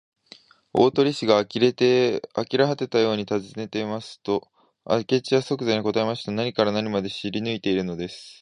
大鳥氏があきれはてたようにたずねますと、明智はそくざに答えました。何から何まで知りぬいているのです。